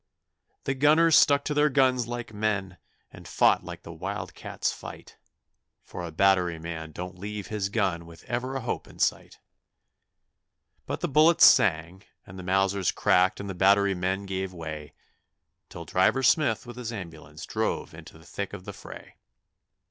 The gunners stuck to their guns like men, and fought like the wild cats fight, For a Battery man don't leave his gun with ever a hope in sight; But the bullets sang and the Mausers cracked and the Battery men gave way, Till Driver Smith with his ambulance drove into the thick of the fray.